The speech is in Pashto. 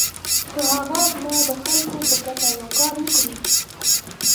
که هغه زما د خلکو په ګټه یو کار وکړي.